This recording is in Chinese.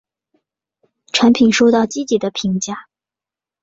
产品收到积极的评价。